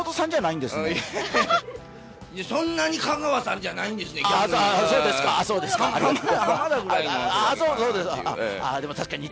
いや、そんなに香川さんじゃないんですね、逆に。